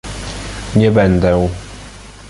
Nie będę!